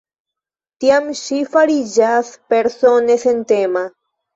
Tiam ŝi fariĝas persone sentema.